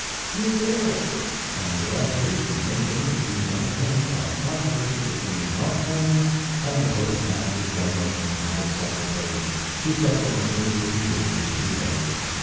He assailed it, and directly the nation was being entertained by a controversy between Mark Twain and the Postmaster General's private secretary, who subsequently receded from the field.